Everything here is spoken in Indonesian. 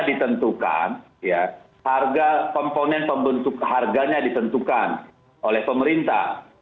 ditentukan harga komponen pembentuk harganya ditentukan oleh pemerintah